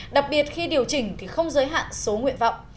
đặc biệt khi điều chỉnh thì không giới hạn số nguyện vọng